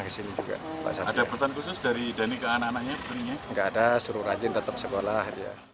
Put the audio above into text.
nggak ada suruh rajin tetap sekolah